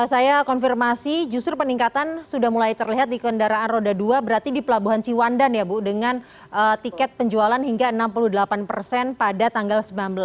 saya konfirmasi justru peningkatan sudah mulai terlihat di kendaraan roda dua berarti di pelabuhan ciwandan ya bu dengan tiket penjualan hingga enam puluh delapan persen pada tanggal sembilan belas